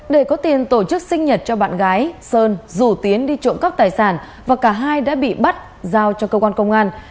để có tiền tổ chức sinh nhật cho bạn gái sơn rủ tiến đi trộm cắp tài sản và cả hai đã bị bắt giao cho cơ quan công an